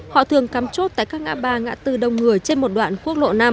họ thường cắm chốt tại các ngã ba ngã tư đông người trên một đoạn quốc lộ năm